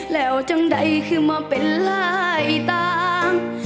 แล้วจังได้ขึ้นมาเป็นหลายตาม